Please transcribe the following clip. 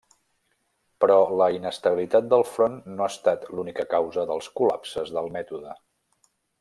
Però la inestabilitat del front no ha estat l'única causa dels col·lapses del mètode.